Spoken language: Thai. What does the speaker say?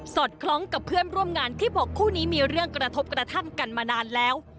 อดคล้องกับเพื่อนร่วมงานที่บอกคู่นี้มีเรื่องกระทบกระทั่งกันมานานแล้ว